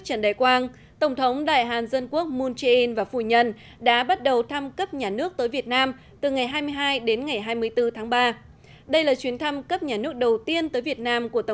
từ ngày hai mươi hai đến ngày hai mươi bốn tháng ba đây là chuyến thăm cấp nhà nước đầu tiên tới việt nam của tổng thống moon jae in